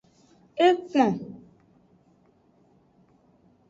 Ekpon.